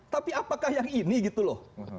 tapi apakah yang ini gitu loh